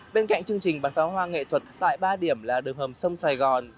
bên cạnh chương trình bán pháo hoa nghệ thuật tại ba điểm là đường hầm sông sài gòn